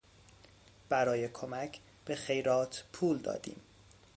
برای کمک به خیرات پول دادیم.